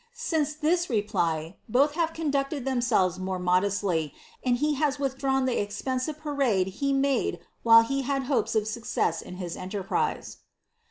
* Since this Tep]y, botli have ' ducted themselves more raodeaily, and he has withdrawn the expcc pamde he made while he had hopes of success in his enterprise."